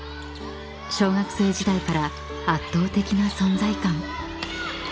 ［小学生時代から圧倒的な存在感］